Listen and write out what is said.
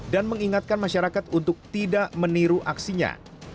dan mengingatkan masyarakat untuk tidak meniru aksinya